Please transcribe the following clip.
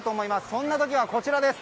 そんな時はこちらです。